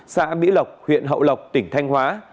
xã mỹ lộc huyện hậu lộc tỉnh thanh hóa